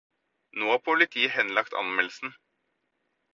Nå har politiet henlagt anmeldelsen.